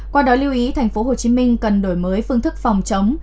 qua đó lưu ý tp hcm cần đổi mới phương thức phòng chống